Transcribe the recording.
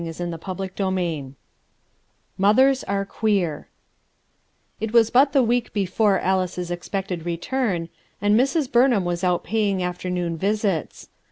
& ««iy it CHAPTER VII MOTHERS ARE QUEER 1" TT was but the week before Alice's expected return, and Mrs Burnham was out pay™ afternoon visits.